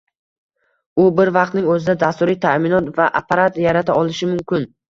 u bir vaqtning oʻzida dasturiy taʼminot va apparat yarata olishi mumkin.